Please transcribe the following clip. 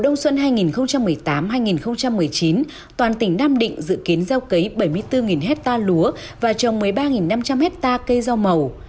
đông xuân hai nghìn một mươi tám hai nghìn một mươi chín toàn tỉnh nam định dự kiến gieo cấy bảy mươi bốn hectare lúa và trồng một mươi ba năm trăm linh hectare cây rau màu